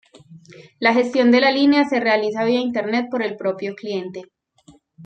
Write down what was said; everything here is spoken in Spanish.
La gestión de la línea se realiza vía Internet por el propio cliente.